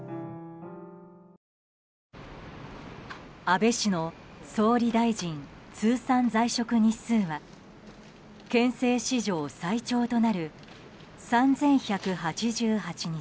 安倍氏の総理大臣通算在職日数は憲政史上最長となる３１８８日。